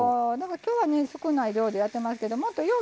今日は少ない量でやってますけどもっとよ